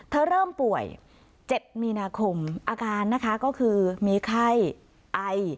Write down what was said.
เริ่มป่วย๗มีนาคมอาการนะคะก็คือมีไข้ไอ